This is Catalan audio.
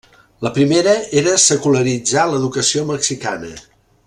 La primera era secularitzar l'educació mexicana.